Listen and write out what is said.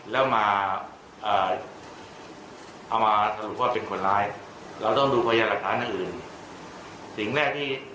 แล้วมาเออเอามาได้เลยว่าเป็นคนร้ายเราก็ดูภยาหรัฐณะอยู่สิ่งแรกที่